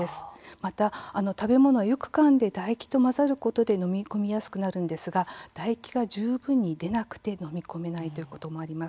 また、食べ物はよくかんで唾液と混ざることで飲み込みやすくなるんですが唾液が十分に出なくて飲み込めないということもあります。